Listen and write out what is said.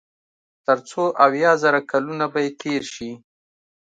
تر څو اويا زره کلونه به ئې تېر شي